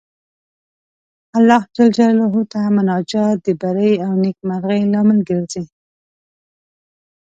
الله جل جلاله ته مناجات د بري او نېکمرغۍ لامل ګرځي.